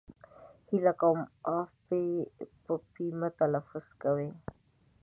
هیله کوم اف په پي مه تلفظ کوی!